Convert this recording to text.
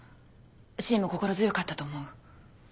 芯も心強かったと思う。